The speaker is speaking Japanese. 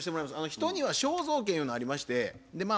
人には肖像権ゆうのありましてまあ